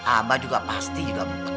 abah juga pasti juga